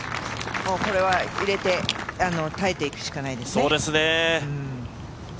これは入れて、耐えていくしかないですね。